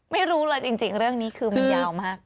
ไม่รู้เลยจริงเรื่องนี้คือมันยาวมาก